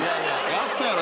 やったやろ？